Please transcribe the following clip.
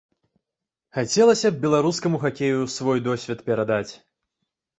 Хацелася б беларускаму хакею свой досвед перадаць.